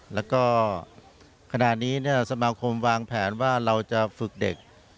แล้วก็ขณะนี้สมาคมวางแผนว่าเราจะฝึกเด็ก